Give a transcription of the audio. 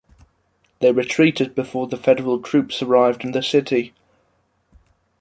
They retreated before federal troops arrived in the city.